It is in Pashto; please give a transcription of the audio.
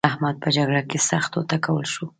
احمد په جګړه کې سخت وټکول شو.